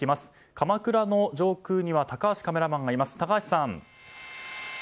鎌倉の上空には高橋カメラマンがいます。